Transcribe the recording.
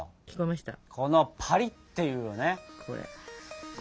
このパリッていうね音よ。